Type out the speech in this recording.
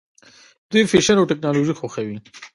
دوی فیشن او ټیکنالوژي خوښوي.